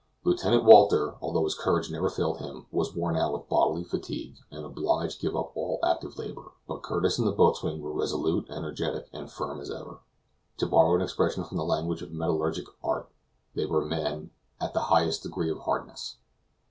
Lieutenant Walter, although his courage never failed him, was worn out with bodily fatigue, and obliged to give up all active labor; but Curtis and the boatswain were resolute, energetic and firm as ever. To borrow an expression from the language of metallurgic art, they were men "at the highest degree of hardness."